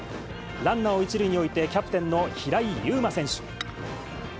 ランナーを１塁に置いて、キャプテンの平井悠馬選手。